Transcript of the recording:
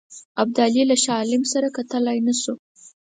ابدالي له شاه عالم سره کتلای نه شو.